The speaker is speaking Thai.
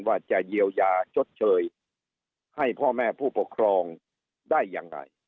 ว่าจะเยียวยาชดเชยให้พ่อแม่ผู้ปกครองได้ยังไง